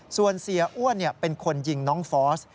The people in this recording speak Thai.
ส่วนเสียอ้วนเป็นคนยิงน้องฟอส